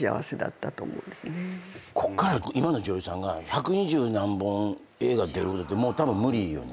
こっから今の女優さんが１２０何本映画出るのってたぶん無理よね。